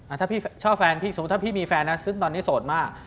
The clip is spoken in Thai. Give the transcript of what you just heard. ถ้าพี่ชอบแฟนพี่สมมุติถ้าพี่มีแฟนนะซึ่งตอนนี้โสดมาก